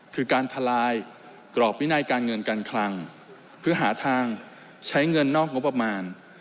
คือการทลายกรอบวินัยการเงินการคลังเพื่อหาทางใช้เงินนอกงบประมาณ